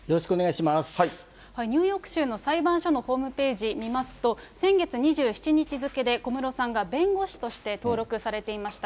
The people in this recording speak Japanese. ニューヨーク州の裁判所のホームページ見ますと、先月２７日付で、小室さんが弁護士として、登録されていました。